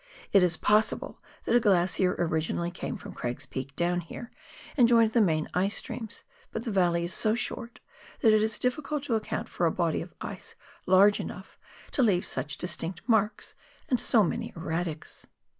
It is possible that a glacier originally came from Craig's Peak down here, and joined the main ice stream ; but the valley is so short that it is difficult to account for a body of ice large enough to leave such distinct marks and so many erratics.